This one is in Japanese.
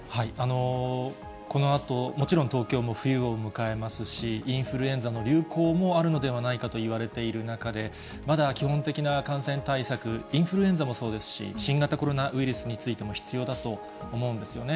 このあと、もちろん東京も冬を迎えますし、インフルエンザの流行もあるのではないかといわれている中で、まだ基本的な感染対策、インフルエンザもそうですし、新型コロナウイルスについても必要だと思うんですよね。